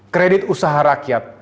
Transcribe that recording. kredit usaha rakyat